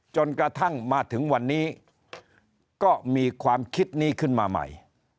จนกระทั่งมาถึงวันนี้ก็มีความคิดนี้ขึ้นมาใหม่